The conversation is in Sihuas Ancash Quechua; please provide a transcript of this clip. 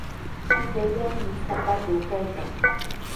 Chullallami sapatuu kaykan.